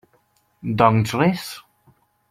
Doncs res.